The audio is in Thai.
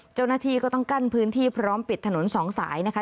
เจ้าหน้าที่ก็ต้องกั้นพื้นที่พร้อมปิดถนนสองสายนะคะ